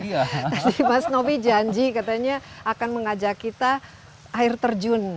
tadi mas novi janji katanya akan mengajak kita air terjun